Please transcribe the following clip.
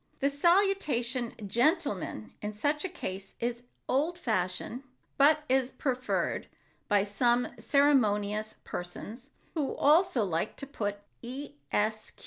The salutation "Gentlemen" in such a case is old fashioned but is preferred by some ceremonious persons who also like to put "Esq."